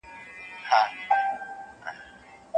په نننۍ نړۍ کې کارونه ډېر وېشل سوي دي.